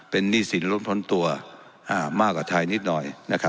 เป็นหนี้สินล้นพ้นตัวมากกว่าไทยนิดหน่อย